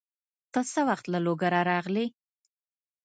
ته څه وخت له لوګره راغلې؟